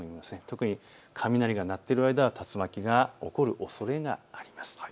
特に雷が鳴っている間は竜巻が起こるおそれがあります。